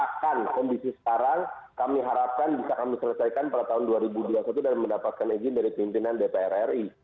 tapi setelah pembahasan ruu pdt kami harapkan bisa kami selesaikan pada tahun dua ribu dua puluh satu dan mendapatkan izin dari pimpinan dpr ri